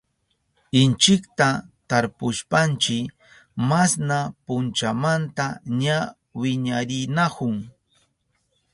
Inchikta tarpushpanchi masna punchamanta ña wiñarinahun.